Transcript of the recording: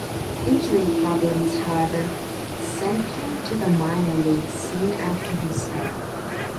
Injury problems, however, sent him to the minor leagues soon after his start.